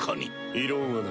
異論はない。